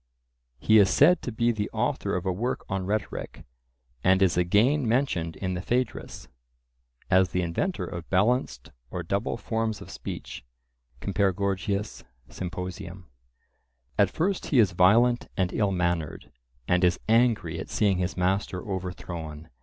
He is said to be the author of a work on rhetoric, and is again mentioned in the Phaedrus, as the inventor of balanced or double forms of speech (compare Gorg.; Symp.). At first he is violent and ill mannered, and is angry at seeing his master overthrown.